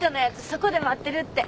そこで待ってるって。